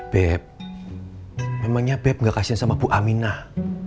beb memangnya beb gak kasihan sama bu aminah